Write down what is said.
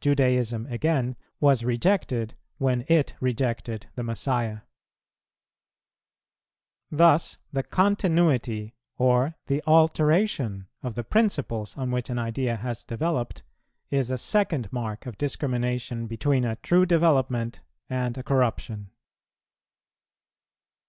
Judaism, again, was rejected when it rejected the Messiah. Thus the continuity or the alteration of the principles on which an idea has developed is a second mark of discrimination between a true development and a corruption.